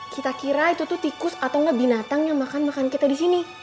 kita kira itu tuh tikus atau gak binatang yang makan makan kita disini